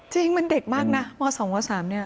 จริงมันเด็กมากนะม๒ม๓เนี่ย